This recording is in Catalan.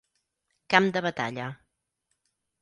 Camp de batalla.